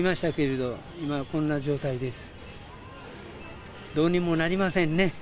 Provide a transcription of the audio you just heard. どうにもなりませんね。